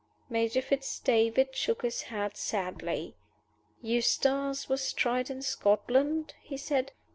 Major Fitz David shook his head sadly. "Eustace was tried in Scotland," he said.